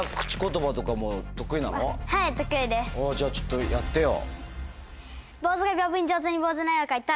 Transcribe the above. じゃあちょっとやってよ。